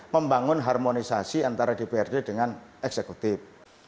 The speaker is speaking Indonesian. membangun harmonisasi antara dprd dengan eksekutif